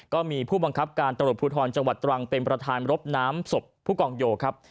ก็มีผู้บังคับการตำรวจภูทรจังหวัดตรังเป็นประธานรบน้ำศพผู้กองโยครับ